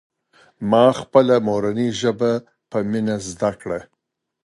ما خپله مورنۍ ژبه په مینه زده کړه.